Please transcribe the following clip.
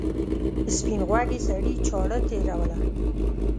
سپین غوږي سړي چاړه تېروله.